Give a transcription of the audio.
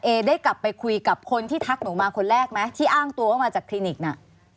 เอได้กลับไปคุยกับคนที่ทักหนูมาคนแรกไหมที่อ้างตัวว่ามาจากคลินิกน่ะ